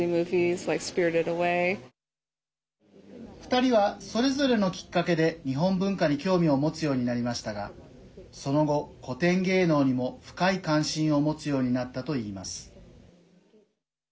２人は、それぞれのきっかけで日本文化に興味を持つようになりましたがその後、古典芸能にも深い関心を持つようになったといいます。